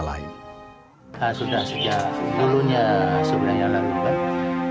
sudah sejak dulunya sebenarnya lalu kan